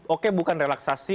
oke bukan relaksasi